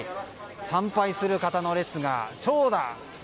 参拝する方の列が長蛇！